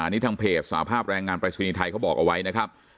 นี่ทางเพจสาภาพแรงงานปรายศนีย์ไทยเขาบอกเอาไว้นะครับ